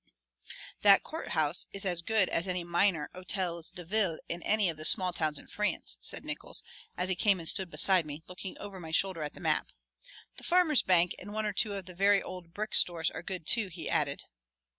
"That courthouse is as good as any minor hotels de ville in any of the small towns in France," said Nickols, as he came and stood beside me, looking over my shoulder at the map. "The Farmers' Bank and one or two of the very old brick stores are good, too," he added.